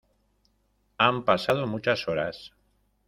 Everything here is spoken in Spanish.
han pasado muchas horas.